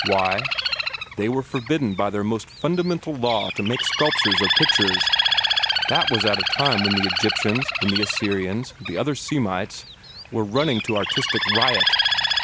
Why? They were forbidden by their most fundamental law to make sculptures or pictures. That was at a time when the Egyptians, when the Assyrians, and other Semites, were running to artistic riot.